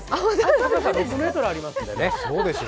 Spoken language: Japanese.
高さ６ｍありますんでね。